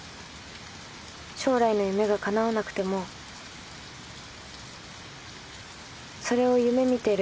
将来の夢がかなわなくてもそれを夢見てる